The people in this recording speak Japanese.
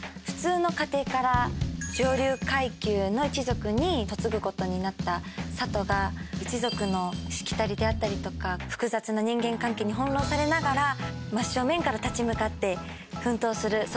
普通の家庭から上流階級の一族に嫁ぐことになった佐都が一族のしきたりであったりとか複雑な人間関係に翻弄されながら真正面から立ち向かって奮闘する。